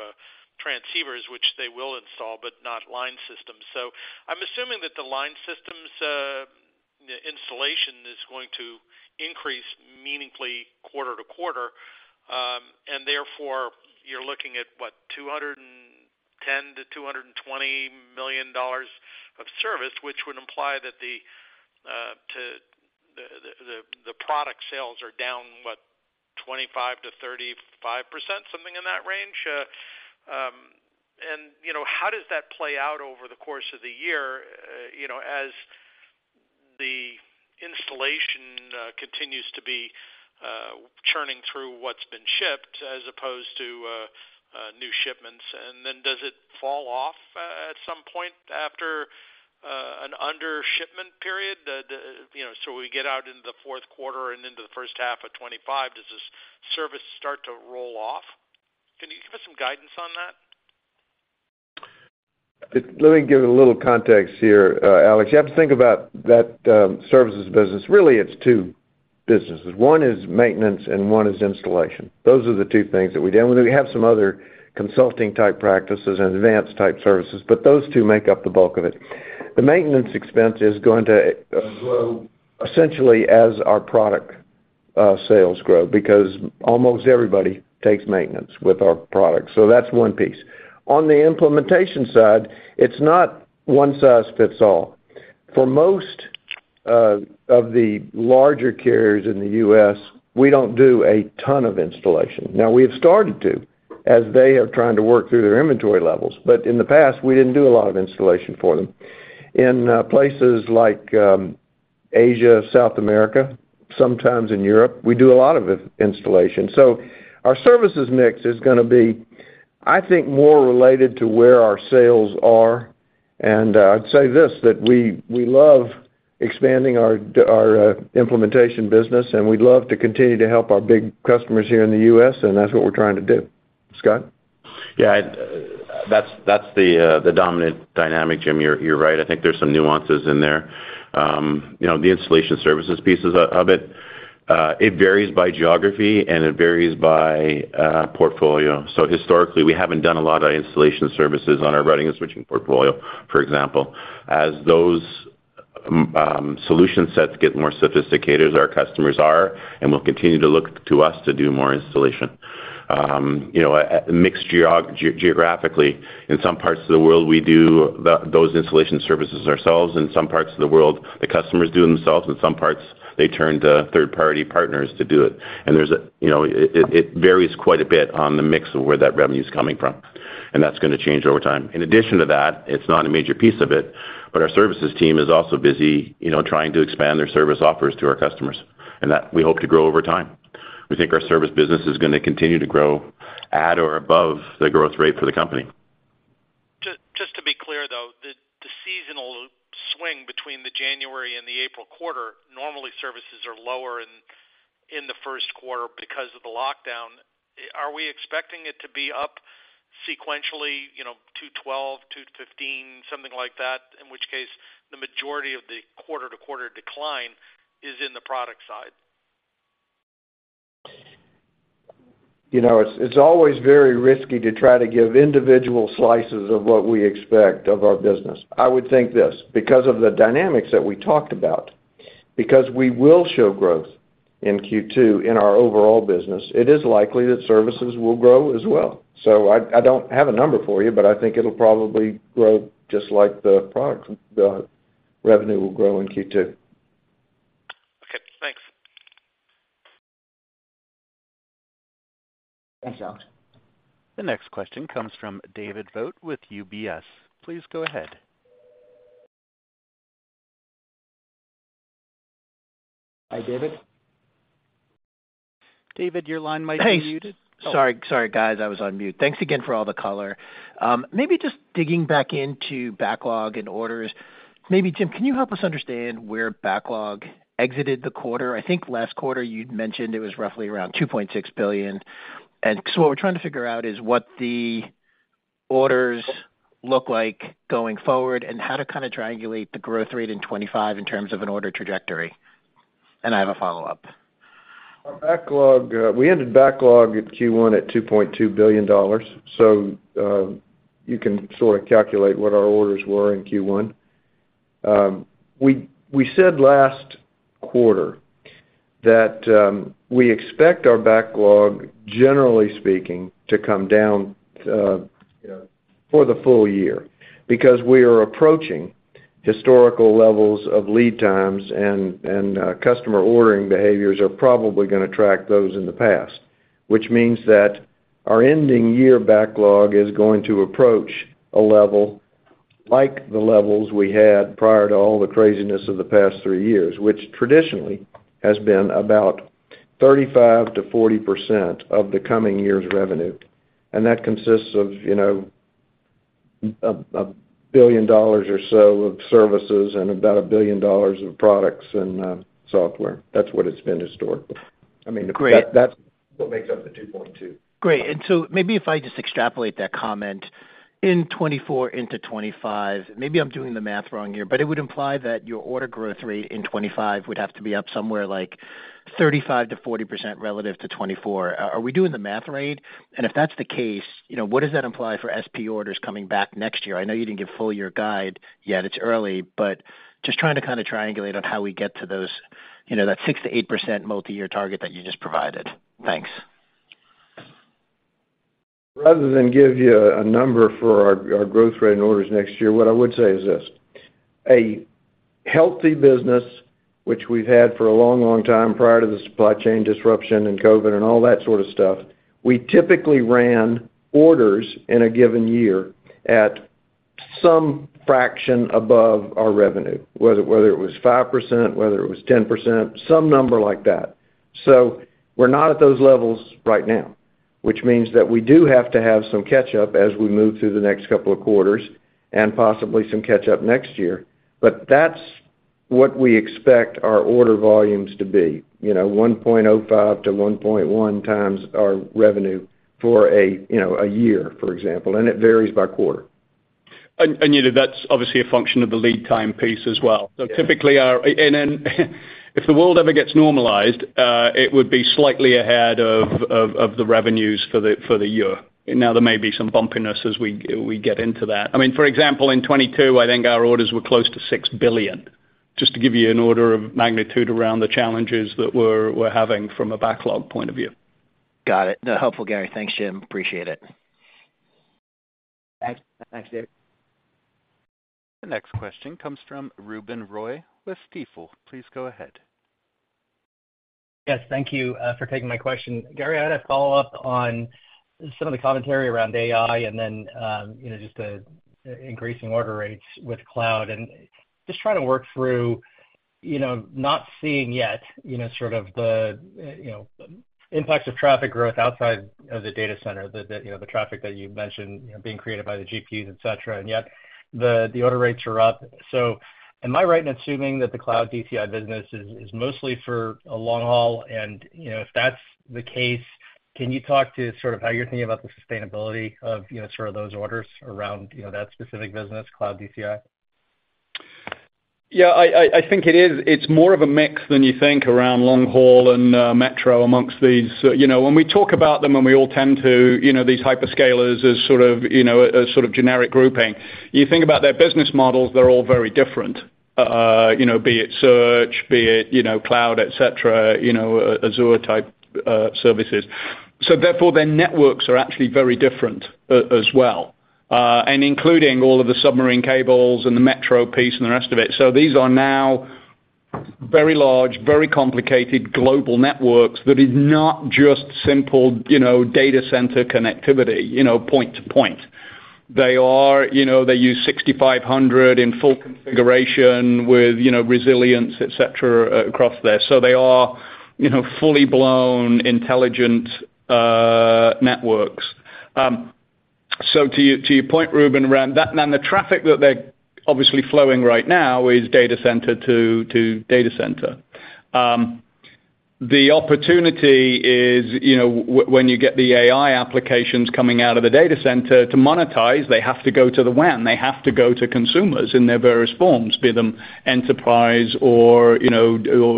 transceivers, which they will install but not line systems. So I'm assuming that the line systems installation is going to increase meaningfully quarter to quarter. And therefore, you're looking at, what, $210 million-$220 million of service, which would imply that the product sales are down, what, 25%-35%, something in that range. How does that play out over the course of the year as the installation continues to be churning through what's been shipped as opposed to new shipments? And then does it fall off at some point after an under-shipment period? So we get out into the fourth quarter and into the first half of 2025, does this service start to roll off? Can you give us some guidance on that? Let me give a little context here, Alex. You have to think about that services business. Really, it's two businesses. One is maintenance, and one is installation. Those are the two things that we deal with. We have some other consulting-type practices and advanced-type services, but those two make up the bulk of it. The maintenance expense is going to grow essentially as our product sales grow because almost everybody takes maintenance with our products. So that's one piece. On the implementation side, it's not one-size-fits-all. For most of the larger carriers in the U.S., we don't do a ton of installation. Now, we have started to as they have tried to work through their inventory levels. But in the past, we didn't do a lot of installation for them. In places like Asia, South America, sometimes in Europe, we do a lot of installation. Our services mix is going to be, I think, more related to where our sales are. I'd say this, that we love expanding our implementation business, and we'd love to continue to help our big customers here in the U.S., and that's what we're trying to do. Scott? Yeah. That's the dominant dynamic, Jim. You're right. I think there's some nuances in there. The installation services pieces of it, it varies by geography, and it varies by portfolio. So historically, we haven't done a lot of installation services on our routing and switching portfolio, for example. As those solution sets get more sophisticated, as our customers are, and will continue to look to us to do more installation. Mixed geographically, in some parts of the world, we do those installation services ourselves. In some parts of the world, the customers do themselves. In some parts, they turn to third-party partners to do it. And it varies quite a bit on the mix of where that revenue is coming from, and that's going to change over time. In addition to that, it's not a major piece of it, but our services team is also busy trying to expand their service offers to our customers, and we hope to grow over time. We think our service business is going to continue to grow at or above the growth rate for the company. Just to be clear, though, the seasonal swing between the January and the April quarter, normally services are lower in the first quarter because of the lockdown. Are we expecting it to be up sequentially $212-$215, something like that, in which case the majority of the quarter-to-quarter decline is in the product side? It's always very risky to try to give individual slices of what we expect of our business. I would think this, because of the dynamics that we talked about, because we will show growth in Q2 in our overall business, it is likely that services will grow as well. I don't have a number for you, but I think it'll probably grow just like the revenue will grow in Q2. Okay. Thanks. Thanks, Alex. The next question comes from David Vogt with UBS. Please go ahead. Hi, David. David, your line might be muted. Hey. Sorry, guys. I was on mute. Thanks again for all the color. Maybe just digging back into backlog and orders. Maybe, Jim, can you help us understand where backlog exited the quarter? I think last quarter, you'd mentioned it was roughly around $2.6 billion. So what we're trying to figure out is what the orders look like going forward and how to kind of triangulate the growth rate in 2025 in terms of an order trajectory. I have a follow-up. We ended backlog at Q1 at $2.2 billion, so you can sort of calculate what our orders were in Q1. We said last quarter that we expect our backlog, generally speaking, to come down for the full year because we are approaching historical levels of lead times, and customer ordering behaviors are probably going to track those in the past, which means that our ending year backlog is going to approach a level like the levels we had prior to all the craziness of the past three years, which traditionally has been about 35%-40% of the coming year's revenue. And that consists of $1 billion or so of services and about $1 billion of products and software. That's what it's been historically. I mean, that's what makes up the $2.2 billion. Great. So maybe if I just extrapolate that comment, in 2024 into 2025, maybe I'm doing the math wrong here, but it would imply that your order growth rate in 2025 would have to be up somewhere like 35%-40% relative to 2024. Are we doing the math right? And if that's the case, what does that imply for SP orders coming back next year? I know you didn't give full year guide yet. It's early, but just trying to kind of triangulate on how we get to that 6%-8% multi-year target that you just provided. Thanks. Rather than give you a number for our growth rate and orders next year, what I would say is this: a healthy business, which we've had for a long, long time prior to the supply chain disruption and COVID and all that sort of stuff, we typically ran orders in a given year at some fraction above our revenue, whether it was 5%, whether it was 10%, some number like that. So we're not at those levels right now, which means that we do have to have some catch-up as we move through the next couple of quarters and possibly some catch-up next year. But that's what we expect our order volumes to be, 1.05x-1.1x our revenue for a year, for example. And it varies by quarter. And that's obviously a function of the lead time piece as well. So typically, if the world ever gets normalized, it would be slightly ahead of the revenues for the year. Now, there may be some bumpiness as we get into that. I mean, for example, in 2022, I think our orders were close to $6 billion, just to give you an order of magnitude around the challenges that we're having from a backlog point of view. Got it. No, helpful, Gary. Thanks, Jim. Appreciate it. Thanks, David. The next question comes from Ruben Roy with Stifel. Please go ahead. Yes. Thank you for taking my question. Gary, I'd have follow-up on some of the commentary around AI and then just the increasing order rates with cloud and just trying to work through not seeing yet sort of the impacts of traffic growth outside of the data center, the traffic that you mentioned being created by the GPUs, etc. And yet, the order rates are up. So am I right in assuming that the cloud DCI business is mostly for a long haul? And if that's the case, can you talk to sort of how you're thinking about the sustainability of sort of those orders around that specific business, cloud DCI? Yeah. I think it is. It's more of a mix than you think around long haul and metro amongst these. When we talk about them, and we all tend to these hyperscalers as sort of a sort of generic grouping, you think about their business models. They're all very different, be it search, be it cloud, etc., Azure-type services. So therefore, their networks are actually very different as well, including all of the submarine cables and the metro piece and the rest of it. So these are now very large, very complicated global networks that is not just simple data center connectivity point to point. They use 6500 in full configuration with resilience, etc., across there. So they are fully blown intelligent networks. So to your point, Ruben, and the traffic that they're obviously flowing right now is data center to data center. The opportunity is when you get the AI applications coming out of the data center to monetize. They have to go to the WAN. They have to go to consumers in their various forms, be them enterprise or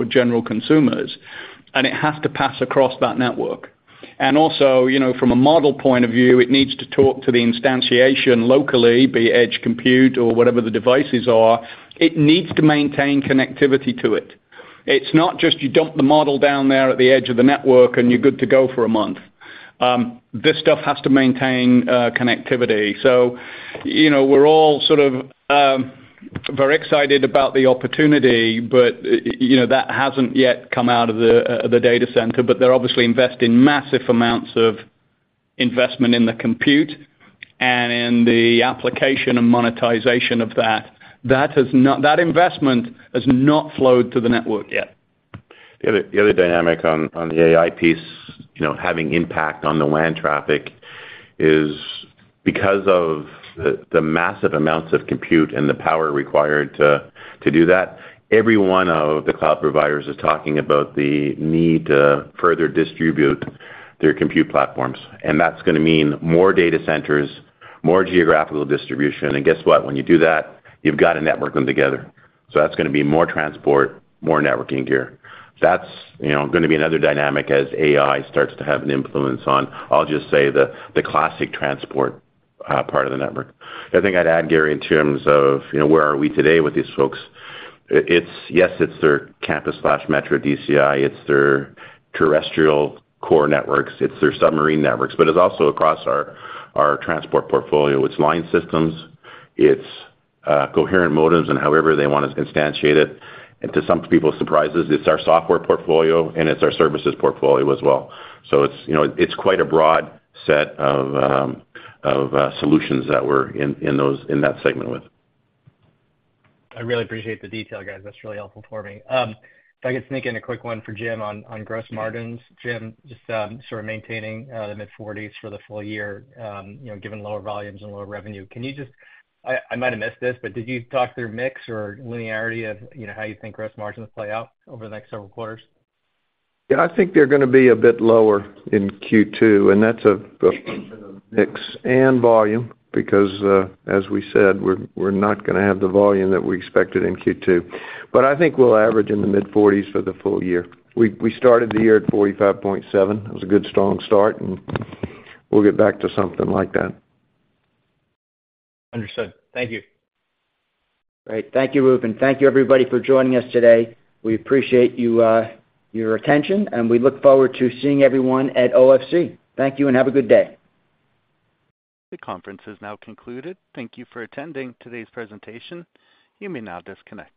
general consumers. And it has to pass across that network. And also, from a model point of view, it needs to talk to the instantiation locally, be edge compute or whatever the devices are. It needs to maintain connectivity to it. It's not just you dump the model down there at the edge of the network, and you're good to go for a month. This stuff has to maintain connectivity. So we're all sort of very excited about the opportunity, but that hasn't yet come out of the data center. But they're obviously investing massive amounts of investment in the compute and in the application and monetization of that. That investment has not flowed to the network yet. The other dynamic on the AI piece, having impact on the WAN traffic, is because of the massive amounts of compute and the power required to do that, every one of the cloud providers is talking about the need to further distribute their compute platforms. And that's going to mean more data centers, more geographical distribution. And guess what? When you do that, you've got to network them together. So that's going to be more transport, more networking gear. That's going to be another dynamic as AI starts to have an influence on, I'll just say, the classic transport part of the network. I think I'd add, Gary, in terms of where are we today with these folks? Yes, it's their campus/metro DCI. It's their terrestrial core networks. It's their submarine networks. But it's also across our transport portfolio. It's line systems. It's coherent modems and however they want to instantiate it. To some people's surprises, it's our software portfolio, and it's our services portfolio as well. It's quite a broad set of solutions that we're in that segment with. I really appreciate the detail, guys. That's really helpful for me. If I could sneak in a quick one for Jim on gross margins. Jim, just sort of maintaining the mid-40s for the full year, given lower volumes and lower revenue, can you just I might have missed this, but did you talk through mix or linearity of how you think gross margins play out over the next several quarters? Yeah. I think they're going to be a bit lower in Q2. And that's a mix and volume because, as we said, we're not going to have the volume that we expected in Q2. But I think we'll average in the mid-40s for the full year. We started the year at 45.7%. It was a good, strong start, and we'll get back to something like that. Understood. Thank you. Great. Thank you, Ruben. Thank you, everybody, for joining us today. We appreciate your attention, and we look forward to seeing everyone at OFC. Thank you, and have a good day. The conference is now concluded. Thank you for attending today's presentation. You may now disconnect.